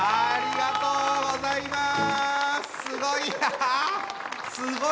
ありがとうございます。